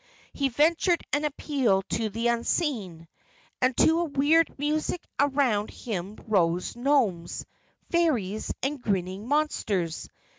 He ventured an appeal to the unseen, and to a weird music around him rose gnomes, fairies and grinning monsters.